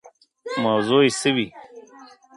موضوع یې څه وي.